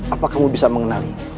apa kamu bisa mengenali